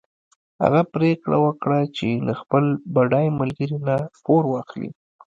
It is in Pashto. هغه پرېکړه وکړه چې له خپل بډای ملګري نه پور واخلي.